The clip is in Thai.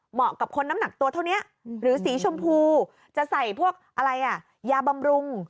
กับคนน้ำหนักตัวเท่านี้หรือสีชมพูจะใส่พวกอะไรอ่ะยาบำรุง